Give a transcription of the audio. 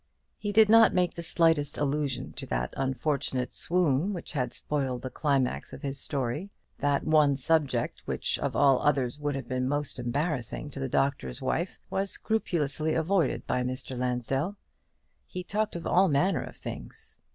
He did not make the slightest allusion to that unfortunate swoon which had spoiled the climax of his story. That one subject, which of all others would have been most embarrassing to the Doctor's Wife, was scrupulously avoided by Mr. Lansdell. He talked of all manner of things.